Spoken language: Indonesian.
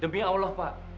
demi allah pak